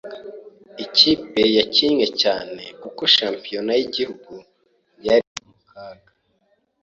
Ikipe yakinnye cyane kuko shampiyona yigihugu yari mu kaga.